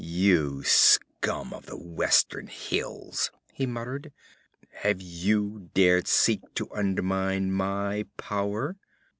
'You scum of the western hills,' he muttered, 'have you dared seek to undermine my power?'